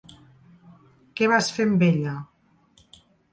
Què vas fer amb ella?